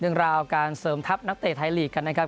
เรื่องราวการเสริมทัพนักเตะไทยลีกกันนะครับ